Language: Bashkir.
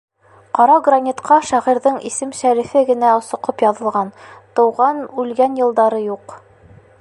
Ҡара гранитҡа шағирҙың исем-шәрифе генә соҡоп яҙылған, тыуған, үлгән йылдары юҡ.